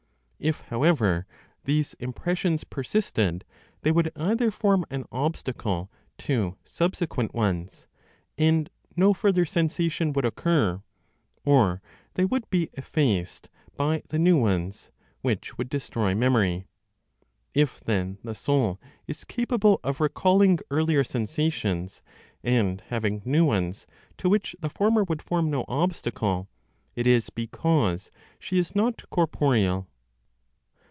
If, however, these impressions persisted, they would either form an obstacle to subsequent ones, and no further sensation would occur; or they would be effaced by the new ones, which would destroy memory. If then the soul is capable of recalling earlier sensations, and having new ones, to which the former would form no obstacle, it is because she is not corporeal.